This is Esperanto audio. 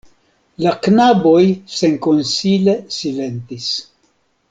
La knaboj senkonsile silentis.